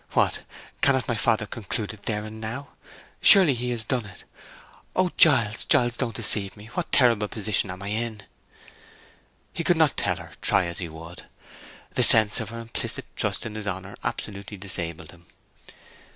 What—cannot my father conclude it there and now? Surely he has done it? Oh, Giles, Giles, don't deceive me. What terrible position am I in?" He could not tell her, try as he would. The sense of her implicit trust in his honor absolutely disabled him.